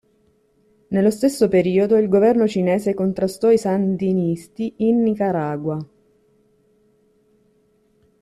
Nello stesso periodo, il governo cinese contrastò i sandinisti in Nicaragua.